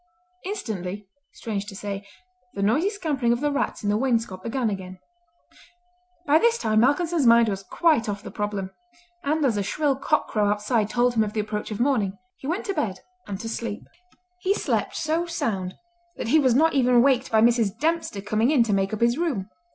Instantly, strange to say, the noisy scampering of the rats in the wainscot began again. By this time Malcolmson's mind was quite off the problem; and as a shrill cock crow outside told him of the approach of morning, he went to bed and to sleep. He slept so sound that he was not even waked by Mrs. Dempster coming in to make up his room.